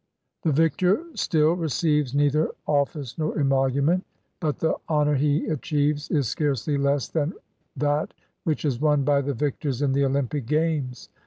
The victor still receives neither office nor emolument; but the honor he achieves is scarcely less than that which is won by the victors in the Olympic games.